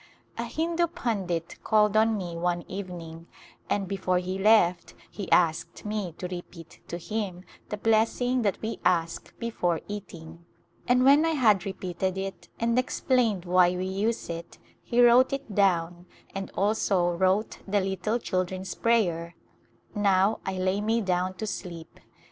A Hindu pundit called on me one evening and before he left he asked me to repeat to him the bless ing that we ask before eating, and when I had re peated it and explained why we use it he wrote it down and also wrote the little children's prayer " Now I lay me down to sleep."